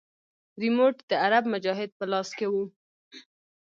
ريموټ د عرب مجاهد په لاس کښې و.